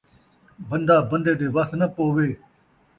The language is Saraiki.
بندہ بندے دے وس ناں پووے